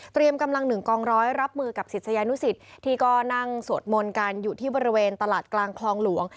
กำลังหนึ่งกองร้อยรับมือกับศิษยานุสิตที่ก็นั่งสวดมนต์กันอยู่ที่บริเวณตลาดกลางคลองหลวง